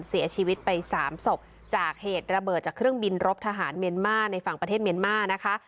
เสียชีวิตไปสามศพจากเหตุระเบิดจากเครื่องบินรบทหารเมียนมาร์ในฝั่งประเทศเมียนมานะคะ